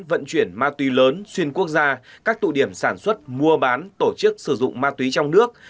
vận chuyển ma túy lớn xuyên quốc gia các tụ điểm sản xuất mua bán tổ chức sử dụng ma túy trong nước